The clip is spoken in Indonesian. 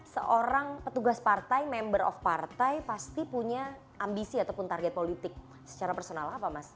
seorang petugas partai member of partai pasti punya ambisi ataupun target politik secara personal apa mas